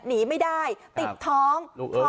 หนีไม่ได้ติดท้อง